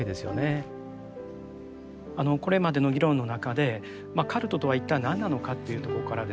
これまでの議論の中でカルトとは一体何なのかというとこからですね